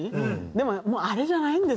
でももうあれじゃないんですよね。